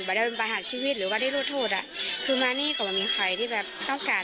ไม่ได้เป็นประหารชีวิตหรือว่าได้รู้โทษอ่ะคือมานี่ก็ไม่มีใครที่แบบต้องการ